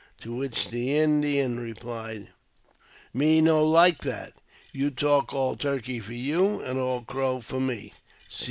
To which the Indian replied, " Me no like that. You talk all turkey for you, and all crow for me.''